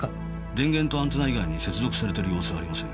電源とアンテナ以外に接続されてる様子はありません。